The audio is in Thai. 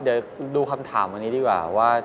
เดี๋ยวดูคำถามวันนี้ดีกว่าว่า